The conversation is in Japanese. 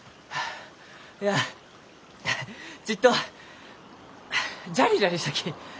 いやちっとジャリジャリしたき。